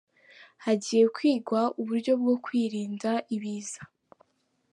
Hagiye kwigwa uburyo bwo kwirinda ibiza